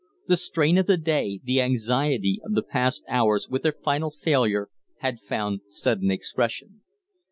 The strain of the day, the anxiety of the past hours, with their final failure, had found sudden expression.